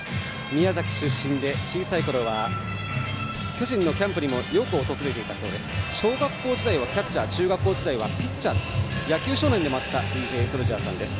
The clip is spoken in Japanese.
宮崎出身で小さいころは巨人のキャンプにもよく訪れていたそうです。小学校時代はキャッチャー中学校時代はピッチャーと野球少年でもあったＤＪＳＯＵＬＪＡＨさんです。